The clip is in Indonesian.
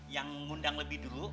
yang undang lebih dulu